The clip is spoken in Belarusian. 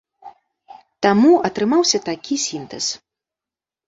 Таму атрымаўся такі сінтэз.